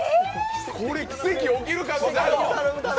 これ奇跡起きるかも。